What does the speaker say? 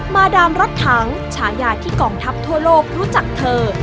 มาดามรถถังฉายาที่กองทัพทั่วโลกรู้จักเธอ